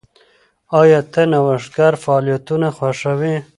ایا ته نوښتګر فعالیتونه خوښوې؟